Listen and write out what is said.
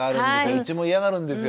うちも嫌がるんですよ。